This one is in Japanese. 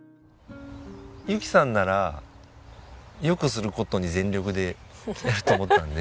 ゆきさんなら良くする事に全力でやると思ったんで。